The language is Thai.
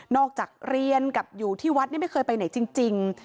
จากเรียนกับอยู่ที่วัดนี่ไม่เคยไปไหนจริง